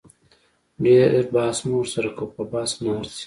ډیر بحث مه ورسره کوه په بحث نه ارزي